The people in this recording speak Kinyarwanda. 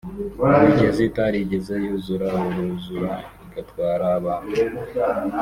imigezi itarigeze yuzura urruzura igatwara abantu